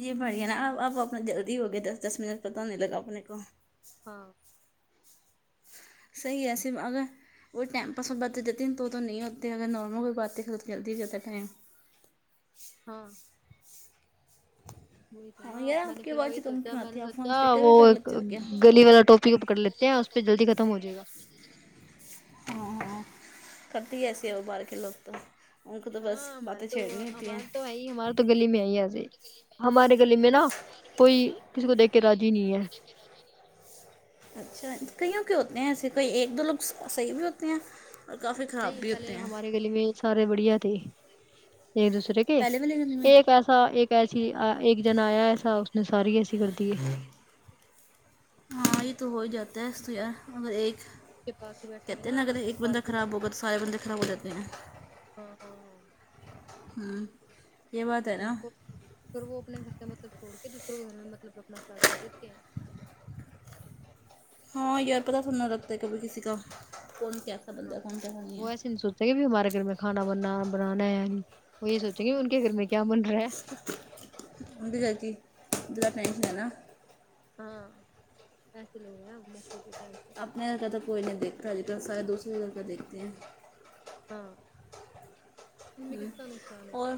یہ بڑھیا نا اب آپ اپنا جلدی ہو گے دس دس منٹ پتا نہیں لگا اپنے کو ہاں صحیح ہے سم اگر وہئی ٹائم پاس باتیں جاتی ہیں تو نہیں ہوتے ہیں اگر نارمل کوئی باتیں تو جلدی ہوجاتا ہے ٹائم ہاں وہی ہاں سنا یار میں آپ نے کی پھر آواز وہی کم سوچا کیوں میں آتی نے ہے آپ فون سوچا اسپیکر وہ پہ کر لیتے ہو کیا گلی والا ٹوپ پک اپ کر لیتے ہیں اس پہ جلدی ختم ہوجاۓگا ہ ہ کرتی ایسے ہو بار کے لوگ تو ان کو تو بس ہاں ہمارے باتیں تو چھیڑنی ہوتی ہیں ہمارے تو ہے ہی ہمارے تو گلی میں ہے ہی ایسے ہمارے گلی میں نا کوئی کسی کو دیکھ کے راضی نہیں ہے اچھا کئیوں کے ہوتے ہیں ایسے کوئی ایک دو لوگ صحیح بھی ہوتے ہیں اور کافی خراب نہیں بھی ہوتے پہلے ہیں ہمارے گلی میں سارے بڑھیا تھے ایک دوسرے کے پہلے والے گانے میں ایک ایس سا ایک ایسی ایک جنا آیا ایسا اس نے ساری ایسی کر دی ہاں یہ تو ہو ہی جاتا ہے تو یار اگر ایک کے پاس ہی بیٹھیں گے کہتے ہیں نا اگر پھر ایک بندہ فالتو کا خراب ہوگا تو سارے بندے خراب ہو جاتے ہیں ہاں ہاں ہاں ہوں یہ بات ہے ان نا کو پھر وہ اپنے گھر سے مطلب چھوڑ کے دوسروں کے گھر میں مطلب رکھنا اسٹارٹ کر دیتے ہیں ہاں یار پتا سننا لگتا ہے کبھی کسی کا کون کیس ہاں وہ سن چاہیے بھی ہمارے گھر میں کھانا بنا بنانا ہے یہ سوچیں گے ان کے گھر میں کیا بن رہا ہے ان بھی جاکیی ان کا [unintelligible] ہاں ایسے لوگ ہیں موقع بھی ٹائم پہ نہیں کا تو کوئی نہیں دیکھتا ہےلیکن سارے دوسروں کا دیکھتے ہیں ہاں اس میں ہ کس کا نقصان ہے اور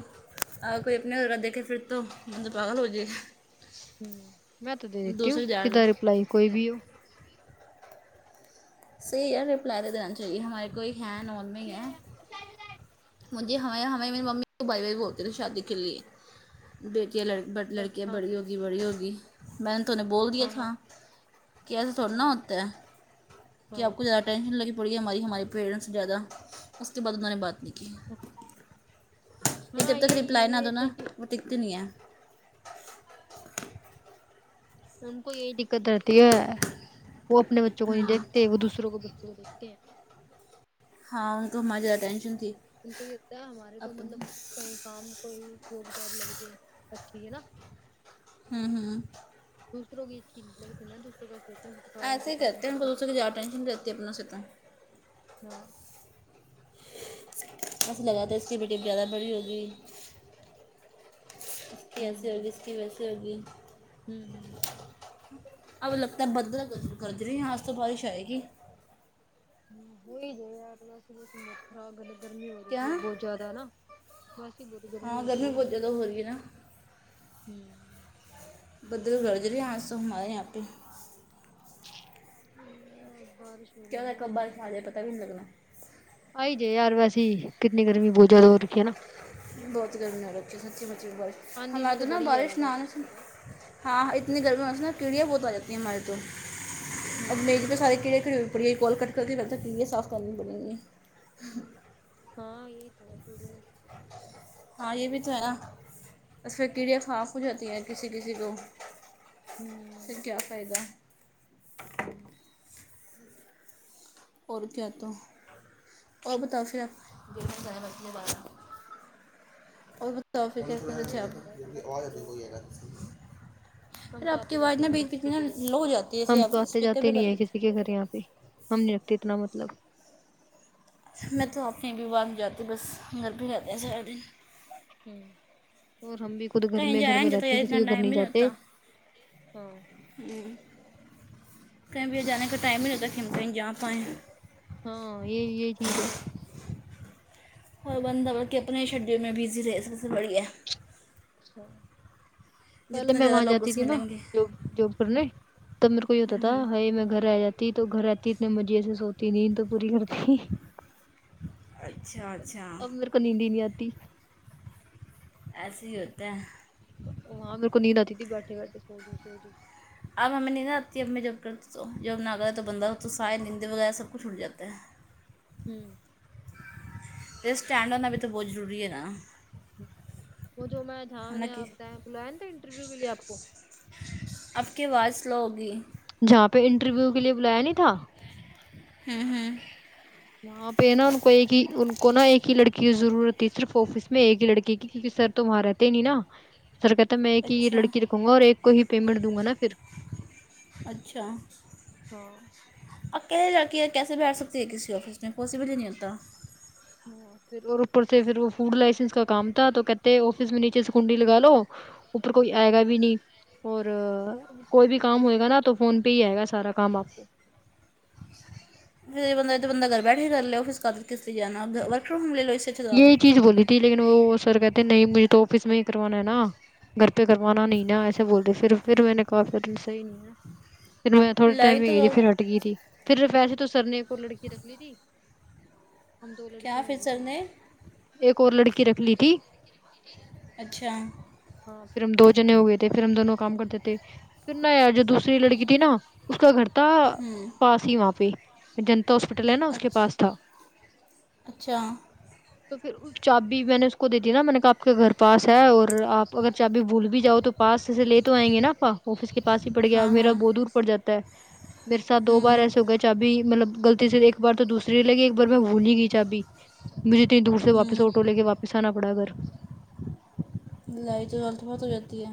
کوئی اپنےہ دیکھے پھر تو مندر پاگل ہو جائے گی ہوں میں تو دے دیتی ہوں سے سدا رپلائی کوئی بھی ہو صحیح یار رپلائی دے دینا چاہیے ہمارے کوئی ہے نارمل ہی ہے مجھے ہمے ہمے میری ممی بھائی بھی بولتے تھے شادی کے لیے بیٹی لک لڑکیاں ہاں بڑی ہوگی بڑی ہوگی میں نے تو انھیں بول دیا ہاں ہاں تھا کیا ایسا تھوڑا نا ہاں ہوتا ہے ہاں کیا آپ کو زیاد ٹینشن لگی پڑ گی ہماری ہمارے پیریٹس سے زیادہ اس کے بعد انہوں نے بات نہیں یہ جب ہاں تک یہ ریپلائ نا یہ دو نا دیکھیے وہ تٹکتی نہیں ہے ان کو یہی دکت رہتی ہے وہ اپنے بچوں کو نہیں ہیں دیکھتے وہ دوسروں کے بچوں کو دیکھتے ہیں ہاں ان کو مزہ آتا ہے ینشن ان کو یہ لگتا ہے ہمارے تو مطلب کہیں کام کوئی جوک جھاپ لگ جائے اچھی ہے نا ہوں ہوں دوسروں کی اچھی ملبتی نا دوسروں کا سوتےپیں ایسے ہی ٹپائےیں کرتے ہیں ان کو دوسروں کی زیادہ ٹینشن رہتی ہے اپنوں سے تو ہاں ایسے لگا تا اس کی بی ڈٹیم جگہ پڑھی ہوگی اس کی ہوں ایسی ہوگی اس کی ویسی ہوگی ہوں ہوں اب لگتا ہے بدلا گرج رہے ہیں یہ آج تو بارش آئے گی کیا [inaudible] خاسی ہی بہت گرمی ہاں ہو رہی ہے بہت زیادہ ہو رہی ہے نا ہو بدل گرج رہے ہیں آج تو ہمارے یہا پے ہم بارش ہو کیا رہی ہے نا بارش آرہی ہے پتا بھی نہیں لگنا آ ہی جاے یار ویسیے کتنی گرمی بہت زیادہ ہو رکھی ہے نا بہت گرمیاں رکھی ہے سچی مچی میں بارش اندھی سی ہمارے تو نا بڑی ہے بارش نہ بعد آنے سے ہاں اتنی گرمی ہوس نا کیڑیاں بہت آ جاتی ہیں ہماریے تو اب میے پہ سارے کیڑے کھی ہو پھر یہ کول کٹ کر کے پھر یہ صاف کرنی پڑ گے ہاں یہ تو ہاں یہ بھی تو ہے نا اس پہ کیڑیاں صاف ہو جاتی ہیں کسی کسی کو مے ہوں پھر کیا فائدہ اور کیا تو اور بتا فر اور بتا فر یہی ہے یار، تو [inaudible] ہم تو آتے جاتے نا نہیں ہیں بیچ بیچ کسی میں نا کے لو ہو جاتی ہے جیسے ہم آپ تو آتے اسپیکر جاتے پہ کر نہیں ہیں لیتے کسی کے گھر یہاں پہ ہم نہیں رکھتے اتنا مطلب میں تو اپنے بھیوار میں جاتی ہو بس گھر پے ہی رہتے ہیں سارے دن ہ اور ہم بھی خود گھر کہیں میں گھر جایا میں نہیں جاتا رہتے یار ہیں اتنا کسی کے گھر ٹائم نہیں جاتے ہاں ہوں کہیں بھی جانے کا ٹائم نہیں رہتا کہ ہم کہیں جا پائیں ہاں یہ یہ چیز ہے اور بندہ کتنے شیڈیول میں بزی رہے سب سے بڑھیا ہوں پہلے جتنا میں زیادہ وہاں لوگوں جاتی سے تھی نا ملیں گے جاب جاب کرنے تب میرے کو یہ ہوتا تھا ہیئ میں گھر آ جات تی تو گھر آتی اتنے مزے سے سوتی نہیں تو پوری گھر اچھا اچھا اب میرے کو نیند ہی نہیں آتی ایسے ہی ہوتا ہیں ہاں میرے کو نیند آتی تھی بیٹے بیٹھے سو جاو سو جاو اب ہمیں نہی آتی ہے اب میں جب کر تو جب نہ کرتا تو بندہ تو سائے نیند وغیرہ سب کچھ اٹھ جاتا ہے ہوں یہ سٹینڈ ہونا بھی تو بہت ضروری ہے نا وہ جو میں جہاں ہے میں نا نے کہ بتایا بلایا نا تھا انٹرویو کے لیے آپ کو آپ کی آواز سلو ہوگی جہاں پہ انٹرویو کے لیے بلایا نہیں تھا ہوں ہوں وہاں پہ نا ان کو ایک ہی ان کو نا ایک ہی لڑکی کی ضرورت تھی صرف آفس میں ایک ہی لڑکی کیونکہ سر تو وہاں رہت تے نہیں نا سر کہتا میں ایک ہی اچھا لڑکی رکھوں گا اور ایک کو ہی پیمنٹ دوں گا نا پھر اچھا ہاں اب کیسے جا کے کیسے بیٹھ سکتی ہے کسی آفس میں پاسیبل ہی نہیں ہوتا پھر اور اوپر سے پھر وہ فوڈ لائسنس کا کام تھا تو کہتے آفس میں نیچے سے کنڈی لگا لو اوپر کوئی آئے گا بھی نہیں اور کوئی بھی کام ہوئے گا نا تو فون پہ ہی آئے گا سارا کام آپ کو پھر یہ بند تو بند گھر بیٹھ کر لے آفس کادر کس جانا ورک فرام ہوم لو اس سے اچھا تو یہی آپ چیز بولی تھی لیکن وہ سر کہتے نہیں مجھے تو آفس میں ہی کروانا ہے نا گھر پہ کروانا نہیں نا ایسے بولتے پھر پھر میں نے کہا پھر صحیح نہیں ہے پھر میں تھوڑے ٹائم لائی ہی تو گئی تھی پھر ہٹ گئی تھی پھر پیسے تو سر نے کوئی لڑکی رکھ لی تھی ہم دو کیا لڑکیاں فر ہو گئی سر تھی نے ایک اور لڑکی رکھ لی تھی اچھا ہاں پھر ہم دو جنے ہو گئے تھے پھر ہم دونوں کام کرتے تھے پھر نایا جو دوسری لڑکی تھی نا اس کا گھر تھا ہوں پاس ہی وہاں پہ جنتا ہاسپٹل ہے نا اس کے اچھا پاس تھا اچھا تو پھر چابی میں نےاس کو دے دی نا میں نے کہ آپ کے گھر پاس ہے اور آپ اگر چابی بھول بھی جاؤ تو پاس سے لے تو آئیں گے نا پا آفس کے پاس ہی پڑ گیا ہاں میرا ہاں بہت دور پڑ جاتا ہے میرے ساتھ دو بار ہوں ایسے ہو گئے چابی مطلب غلطی سے ایک بار تو دوسری ہی لیگیی ایک بار میں بھول ہی گئی چابی مجھے اتنی دور سے واپس ہوں آٹو لے کے واپس آنا پڑا گھر لڑائی تو لط بہت ہو جاتی ہے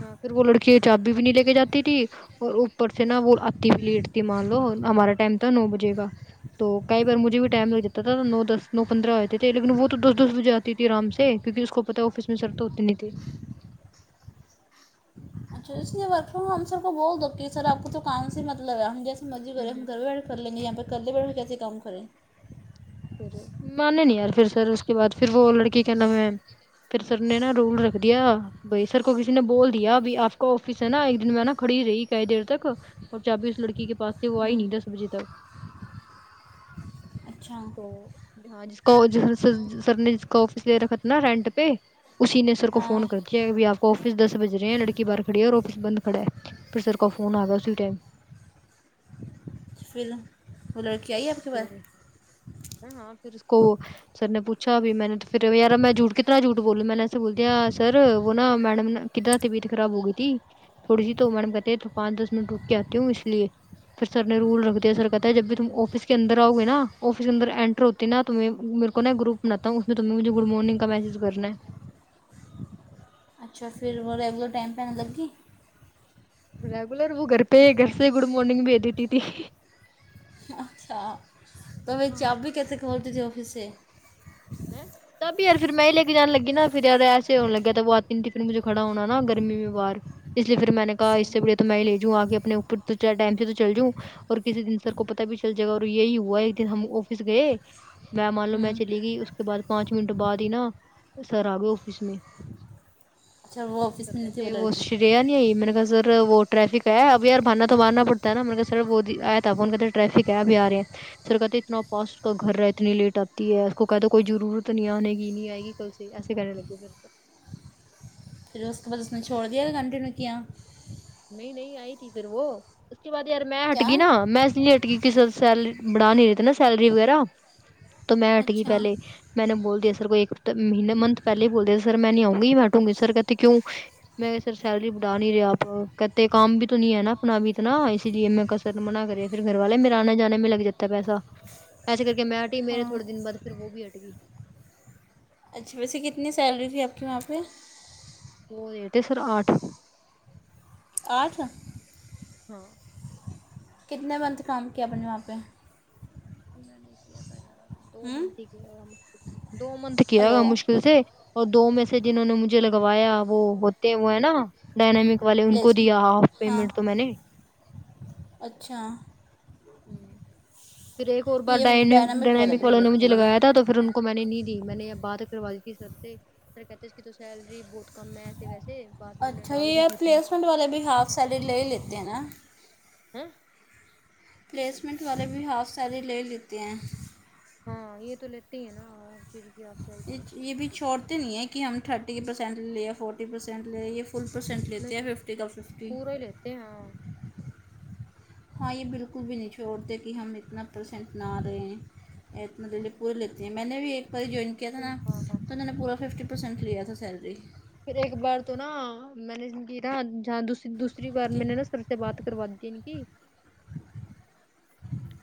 ہاں پھر وہ لڑکی چابی بھی نہیں لے کے جاتی تھی اور اوپر سے نا وہ آتی بھی لیٹ تھی مان لو ہمارا ٹائم تھا نو بجے کا تو کئی بار مجھے بھی ٹائم لگ جاتا تھا نو دس نو پندرہ ہوتے تھے لیکن وہ تو دس دس بجے آتی تھی آرام سے کیونکہ اس کو پتا آفس میں سر تو ہوتے نہیں تھے تو اس نے ورک فرام ہوم سب کو بول دو کہ سر آپ کو تو کام سے مطلب ہے ہم جیس ے مرضی کریں ہم گھر بھی بیٹھ کر لیں گے یہاں پہ کرلے بیٹھے کیسے کام کریں پھر مانے نہیں یار پھر سر اس کے بعد پھر وہ لڑکی کا نام ہے پھر سر نے نا رول رکھ دیا بھائی سر کو کسی نے بول دیا بھی آپ کا آفس ہے نا ایک دن میں نا کھڑی رہی کئی دیر تک اور چابی اس لڑکی کے پاس تھی وہ آئی ہوں نہیں دس بجے تک اچھا تو ہاں جس کو جس س کا سر نے جس کا آفس لے رکھا تھا نا رینٹ پہ اسی نے سر کو فون ہاں کرتا کے ابھی آپ کا آفس دس بج رہے ہیں لڑکی باہر کھڑی ہیں اور آفس بند پڑھا ہے پھر سر کا فون آ گیا اسی ٹائم پھر وہ لڑکی آئی آپ کے پاس پھر ہاں پھر اس کو سر نے پوچھا ابھی میں نے تو پھر یار م میں جھوٹ کتنا جھوٹ بولوں میں نے ایسے بول دیا سر وہ نا میڈم کتنا طبیعت خراب ہو گئی تھی تھوڑی سی تو میڈم کہتے ہیں تو پانچ دس منٹ رک کے آتی ہوں اس لیے پھر سر نے رول ر دیا سر کہ ہے جب بھی تم اس کے اندر آؤ گے نا آفس کے اندر انٹر ہوتی نا تو میں میر کو نہ گروپ بناتا ہو تمنے مجھے گڈ مورننگ کا میس ج کرنے ہے اچھا پھر وہ ریگولر ٹائم پہ آنے لگ گی ریگولر وہ گھر پ ہے گھر سے گڈ مارنگ بھج دیتی تھی اچھا تو بھئی ہاں چابی کیسے کھولتی تھی آفس سے کہ تبہی یار پھر میں ہی لے کے جان لگی نا پھر یاد ایسے ہونے لگے تو وہ آتی نہیں تھی پھر مجھے کھڑا ہونا نا گرمی میں وار اس لیے پھر میں نے کہا اس سے بڑھے تو میں لے جؤں آ کے اپنے اوپر تو ٹائم سے تو چل جؤں اور کسی دن سر کو پتا بھی چل جائے گا اور یہی ہوا ہے کے ہم آفس گئے میں مان لو میں ہوں چلی گئی اس کے بعد پانچ منٹ بعد ہی نا سر آ گئے آفس میں اچھا وہ آفس سر میں نہیں تھی کاتے وہ لڑکی شرییا نہیں میں نے کہ سر وہ ٹریفک ہے اب یار باننا تو مارنا پڑتا ہے نا مط [unintelligible] سر وہ آیا تھا ان کے ادھر ٹریفک ہے ابھی آ رہے ہیں سر کہتے ہیں اتنا پاسٹ کا گھر رہ اتنی لیٹ آتی ہے اس کو کہ تو کوئی ضرورت نہیں آنے کی نہیں آئے گی کل سے ایسے کہنے لگے پھر اس کے بعد اس نے چھوڑ دیا ک کنٹینیو کیا نی نی آئی تھی پھر وہ اس کے بعد یار میں ہٹ کیا گئی نا میں اس اک س سلری بڑھا نہیں رہتے نا سیلری وغیرہ تو میں ہٹ گئی اچھا پہلے میں نے بول دیا سر کو ایک ہفت مہینے منت پہلے بول دیا سر میں نہیں آؤ گی یہ وٹ [unintelligible] وں میں سر کہتے ہیں کیوں میں سر سیل [unintelligible] ری بٹا نہیں رہیاا آپ کہتے کام بھی تو نہیں ہے نا اپنا بھی اتنا اسی لیے می [unintelligible] منع کریے پھر گھر والے میرے آنے جانے میں لگ جات پیسا لیکے کے میں ہٹی میرے ہاں تھوڑے دن بعد پھر وہ بھی ھٹ گئی اچھا ویسے کتنی سیلری تھی آپ کے وہاں پہ وہ رہٹے [unintelligible] سر آٹھ آہا ہاں کتنے منتھ کام کیا اپ نے وہاں پہ میں نے کیا تھا یار دو ہوں منتھ ہی دو منتھ کیا ہلو مشکل سے اور دو میں سے جنہوں نے مجھے لگوایا وہ ہوتے ہوئے نا ڈائینامک والے ان کو پلیس دیا ہاف ہاں پیمنٹ تو میں نے اچھا ہ پھر ایک اور بار یہ ڈ ڈ ڈائنامک [unintelligible] والا ائمک بھی لے والوں نے مجھے لیتے ہیں لگایا تھا تو پھر میں نے نہیں دی میں نے بات کروا دی تھی سر سے کہتے اس کی تو سیلری بہت کم میںسے ویسے بات پھر نے اچھا ٹال دی یہ تھی اس میں پلیسمنٹ والے بھی ہاف سیلری لے لیتے ہیں نا ہ پلیسمنٹ والے بھی ہاف سیلری لے لیتے ہیں ہاں یہ تو لیتے ہی نا ہ چیز [unintelligible] کی آپ سیلری یہ یہ بھی چھوڑتے نہیں ہیں کہ ہم تھرٹی پرسینٹ لے یا فورٹی پرسینٹ لے فل پرسینٹ لیتے نہیں ہیں ففٹی کا ففٹی [unintelligible] ہاں یہ بالکل بھی نہیں چھوڑتے کہ ہم اتنا پرسینٹ نہ رہے ہیں پورے لی ج میں نے بھی ایک باری جوائن کیا تھا نا ہاں ہاں تو میں نے پورا ففٹی پرسینٹ لیا تھا سیلری پھر ایک بار تو نا میں نےی نا [unintelligible] جہاں دوسری بار میں نے نا سر سے بات کروا دی ان کی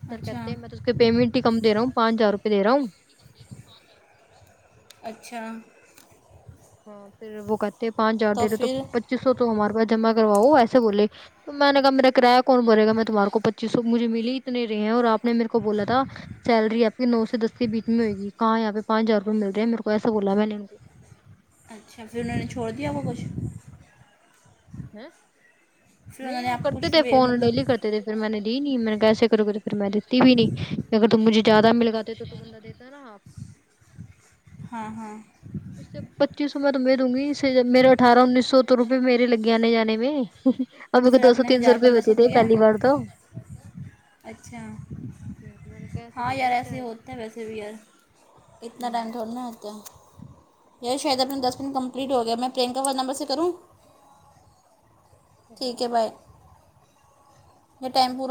سر اچھا کہتے ہیں میں تو اس کے پیمنٹ ہی کم دے رہا ہوں پانچ ہزار روپئے دے رہا ہوں اچھا ہاں پھر وہ کہتے ہیں پانچ ہزارے رہے تو پچیس سو تو ہمارے پاس جمع کرواؤ ویسے بولے تو میں نےا میرا کرایہ کون بولےا میں تمہار کو پچی سو مجھے ملی اتنےے ہیں اور آپ نے میرے کو بولا تھا سیلری آپ نو سے دس کے بیچ میں ہو گی کہاں پہانچ ہزار روپئے مل رہے ہیں میرے کو ایسا بلا میں نے ان کو پھر انہوں نے چھوڑ دیا ہوا کچھ ہ پھر انہوں نہیں نے وہ آپ کو کرتے کچھ تھے فون مطلب ڈیلی کرتے پھر میں نے دی نہیں میں نے کیسے کرو گے تو پھر میں دیتی بھی نہیں اگر تم مجھے زیادہ ملگاتے تو دیتا رہے ہاں ہاں یہ سب پچیس سو میں تمہیں دونگی میرے اٹھارہ انیس سو تو روپئے میرے لگے آنے جانے میں اور تو کو پھر دو آپ سو نے تین سو ہزار روپئے پندرہ بچے تھے دیا پہلی بار تو اچھا میں نے کہا ایسے ہاں تھوڑی یار ہوتا ایسے ہے ہوتے ہیں ویسے بھی یار اتنا ٹائم اب تھوڑنا ہوتا یہی شاید اپنا دس منٹ کمپلیٹ ہو گیا میں پرینکا وال نمبر سے کروں او ہو ٹھیک ہے بھائی یہ ٹم پورا